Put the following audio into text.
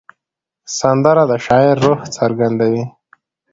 سندره د شاعر روح څرګندوي